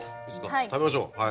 食べましょうはい。